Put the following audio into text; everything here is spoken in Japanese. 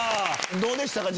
どうでしたか？